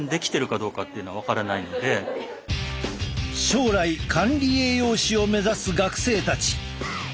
将来管理栄養士を目指す学生たち。